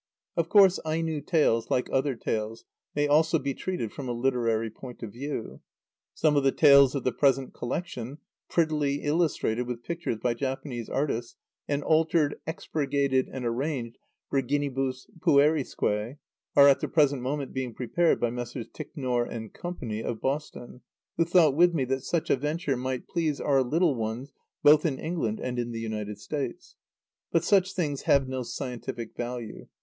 Of course Aino tales, like other tales, may also be treated from a literary point of view. Some of the tales of the present collection, prettily illustrated with pictures by Japanese artists, and altered, expurgated, and arranged virginibus puerisque, are at the present moment being prepared by Messrs. Ticknor & Co., of Boston, who thought with me that such a venture might please our little ones both in England and in the United States. But such things have no scientific value.